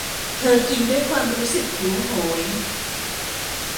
เธอกินด้วยความรู้สึกหิวโหย